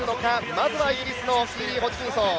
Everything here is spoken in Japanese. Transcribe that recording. まずはイギリスのキーリー・ホジキンソン。